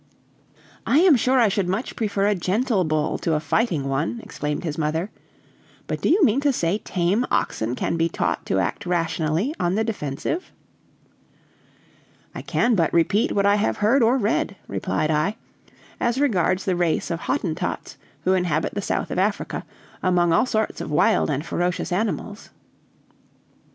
"I am sure I should much prefer a gentle bull to a fighting one!" exclaimed his mother; "but do you mean to say tame oxen can be taught to act rationally on the defensive?" "I can but repeat what I have heard or read," replied I, as regards the race of Hottentots who inhabit the south of Africa, among all sorts of wild and ferocious animals.